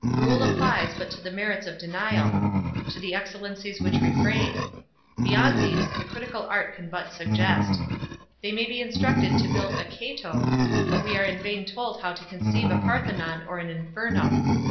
Rule applies but to the merits of denial—to the excellencies which refrain. Beyond these, the critical art can but suggest. We may be instructed to build a "Cato," but we are in vain told how to conceive a Parthenon or an "Inferno."